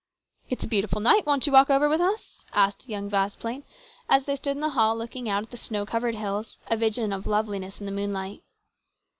" It's a beautiful night ; won't you walk over with us ?" asked young Vasplaine as they stood in the hall looking out at the snow covered hills, a vision of loveliness in the moonlight.